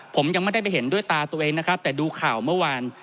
ผมยังไม่ได้ไปเห็นด้วยตาตัวเองนะครับแต่ดูข่าวเมื่อวาน